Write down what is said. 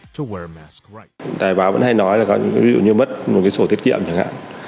trúc tài báo vẫn hay nói là có ví dụ như mất một cái sổ tiết kiệm chẳng hạn